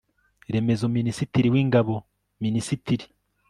remezo minisitiri w ingabo minisitiri